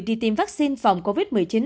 đi tìm vaccine phòng covid một mươi chín